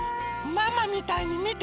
ママみたいにみて！